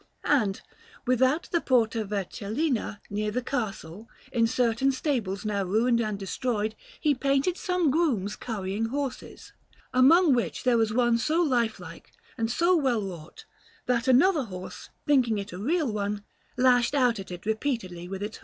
And without the Porta Vercellina, near the Castle, in certain stables now ruined and destroyed, he painted some grooms currying horses, among which there was one so lifelike and so well wrought, that another horse, thinking it a real one, lashed out at it repeatedly with its hooves.